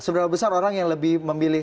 seberapa besar orang yang lebih memilih